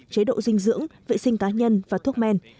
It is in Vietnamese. chế độ dinh dưỡng vệ sinh cá nhân và thuốc men